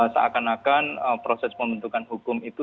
seakan akan proses pembentukan hukum itu